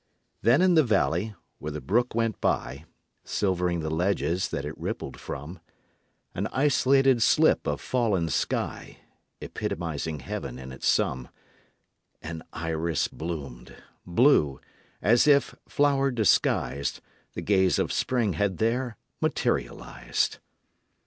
Then in the valley, where the brook went by, Silvering the ledges that it rippled from, An isolated slip of fallen sky, Epitomizing heaven in its sum, An iris bloomed blue, as if, flower disguised, The gaze of Spring had there materialized.